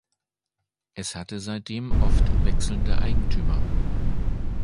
Es hatte seitdem oft wechselnde Eigentümer.